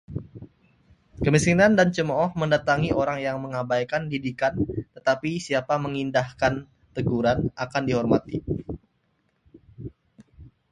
Kemiskinan dan cemooh mendatangi orang yang mengabaikan didikan, tetapi siapa mengindahkan teguran akan dihormati.